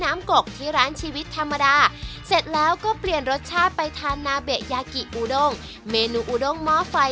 เมนูอุด้งหม้อไฟ